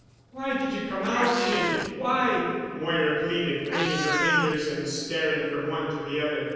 "Why did you come out, Jim—why?" Moira pleaded, wringing her fingers and staring from one to the other.